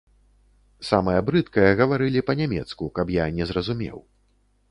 Самае брыдкае гаварылі па-нямецку, каб я не зразумеў.